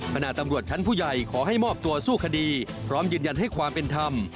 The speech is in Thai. ตำรวจชั้นผู้ใหญ่ขอให้มอบตัวสู้คดีพร้อมยืนยันให้ความเป็นธรรม